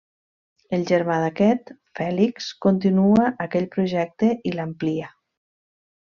El germà d'aquest, Fèlix continua aquell projecte i l'amplia.